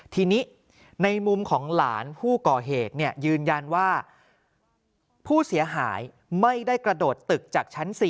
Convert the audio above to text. ทีนี้ในมุมของหลานผู้ก่อเหตุยืนยันว่าผู้เสียหายไม่ได้กระโดดตึกจากชั้น๔